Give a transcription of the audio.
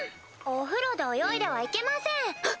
お風呂で泳いではいけません！